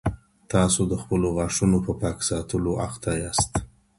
تاسو د خپلو غاښونو په پاک ساتلو اخته یاست.